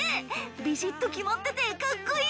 ビシっと決まっててカッコいい！